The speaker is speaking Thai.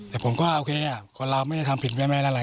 แต่ผมก็โอเคคนเราไม่ได้ทำผิดไม่อะไร